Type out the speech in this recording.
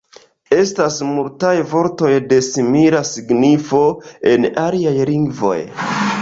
Estas multaj vortoj de simila signifo en aliaj lingvoj.